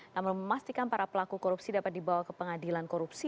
namun memastikan para pelaku korupsi dapat dibawa ke pengadilan korupsi